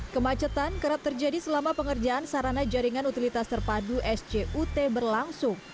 kemacetan kerap terjadi selama pengerjaan sarana jaringan utilitas terpadu sjut berlangsung